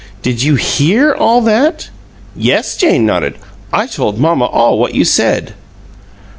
"Did you HEAR all that?" "Yes." Jane nodded. "I told mamma all what you said."